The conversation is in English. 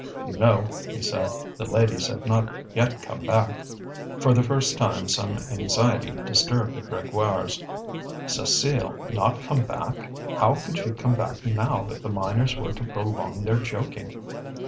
"You know," he said, "the ladies have not yet come back." For the first time some anxiety disturbed the Grégoires. Cécile not come back! How could she come back now if the miners were to prolong their joking?